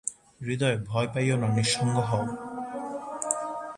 হৃদয়, ভয় পাইও না, নিঃসঙ্গ হও।